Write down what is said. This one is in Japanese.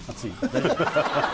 大丈夫？